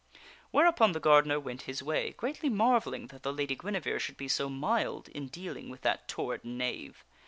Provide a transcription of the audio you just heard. Whereupon the gardener went his way, greatly marvelling that the Lady Guinevere should be so mild in dealing with that toward knave.